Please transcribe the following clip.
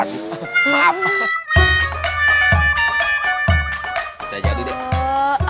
saya jatuh deh